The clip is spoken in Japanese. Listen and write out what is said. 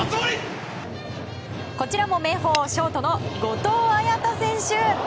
こちらも明豊ショートの後藤綾太選手。